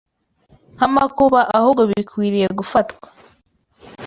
nk’amakuba, ahubwo bikwiriye gufatwa